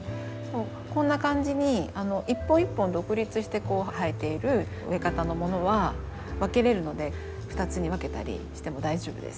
こんな感じに一本一本独立して生えている植え方のものは分けれるので２つに分けたりしても大丈夫です。